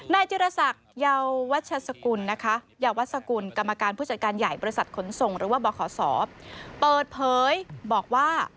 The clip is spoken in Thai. ในจิตรศักดิ์ยาวัชฌกุลกรรมการผู้จัดการใหญ่บริษัทขนสงศ์หรือว่าบขเปิดเผยบอกว่า